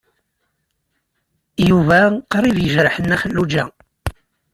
Yuba qrib yejreḥ Nna Xelluǧa.